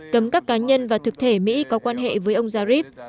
cấm các cá nhân và thực thể mỹ có quan hệ với ông zarif